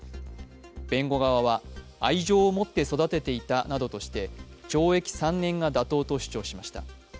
弁護側は愛情を持って育てていたなどとして懲役３年が妥当と主張しました。